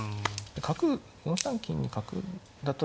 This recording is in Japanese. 角４三金に角だと